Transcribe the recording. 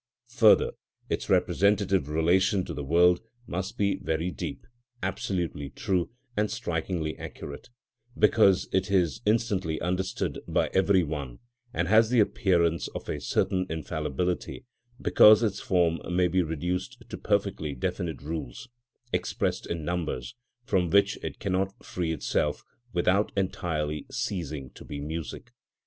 Further, its representative relation to the world must be very deep, absolutely true, and strikingly accurate, because it is instantly understood by every one, and has the appearance of a certain infallibility, because its form may be reduced to perfectly definite rules expressed in numbers, from which it cannot free itself without entirely ceasing to be music.